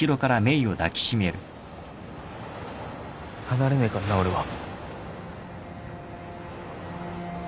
離れねえかんな俺は。